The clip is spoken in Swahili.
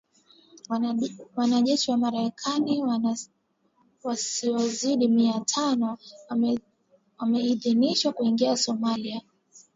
Wanajeshi wa Marekani wasiozidi mia tano wameidhinishwa kuingia Somalia